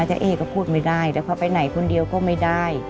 เจ้าเอ๊ก็พูดไม่ได้แต่พอไปไหนคนเดียวก็ไม่ได้